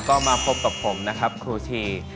ก็มาพบกับผมนะครับครูชี